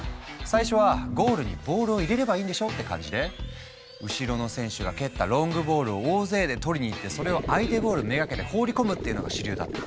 最初はゴールにボールを入れればいいんでしょって感じで後ろの選手が蹴ったロングボールを大勢で取りに行ってそれを相手ゴール目がけて放り込むっていうのが主流だった。